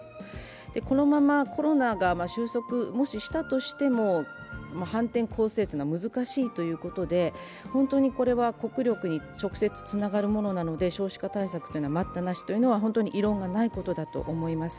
このままコロナが収束、もししたとしても反転攻勢というのは難しいということで本当にこれは国力に直接つながるものなので少子化対策は待ったなしというのは本当に異論がないことだと思います。